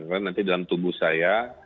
karena nanti dalam tubuh saya